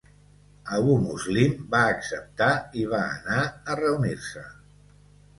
Abu Muslim va acceptar i va anar a reunir-se.